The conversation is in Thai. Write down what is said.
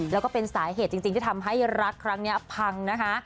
แล้วก็เป็นสาเหตุจริงที่ทำให้รักครั้งนี้พังนะคะ